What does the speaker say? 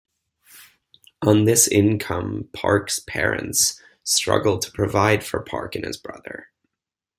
On this income, Parque's parents struggled to provide for Parque and his brother.